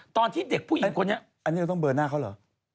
ตอนที่เด็กผู้หญิงคนนี้อันนี้เราต้องเบอร์หน้าเขาเหรอ